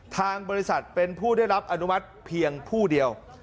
ทางบริษัทเป็นผู้ได้รับอนุมัติเพียงผู้เดียว